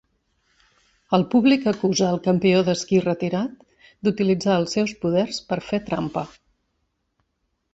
El públic acusa al campió d'esquí retirat d'utilitzar el seus poders per fer trampa.